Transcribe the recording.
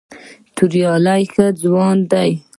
توریالی ښه ځوان دی.